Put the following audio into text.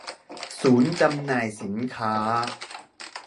ศูนย์จำหน่ายสินค้า